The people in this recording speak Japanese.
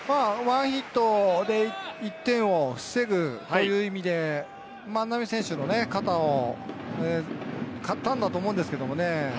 ワンヒットで１点を防ぐという意味で、万波選手の肩を買ったんだと思うんですけどね。